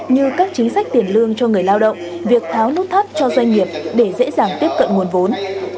như các chính sách tiền lương cho người lao động việc tháo nút thắt cho doanh nghiệp để dễ dàng tiếp cận nguồn vốn